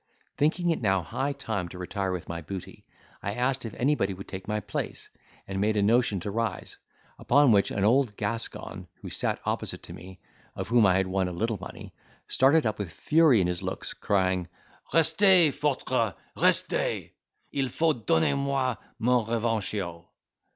Thinking it now high time to retire with my booty, I asked if anybody would take my place, and made a notion to rise; upon which an old Gascon, who sat opposite to me, and of whom I had won a little money, started up with fury in his looks, crying, "Restez, foutre, restez! il faut donner moi mon ravanchio!"